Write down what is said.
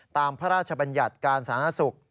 ตามพระราชบัญญัติการสามารถสุก